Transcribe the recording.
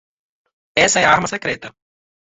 Essa é a arma secreta